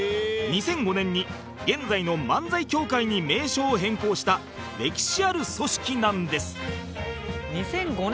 ２００５年に現在の漫才協会に名称を変更した歴史ある組織なんです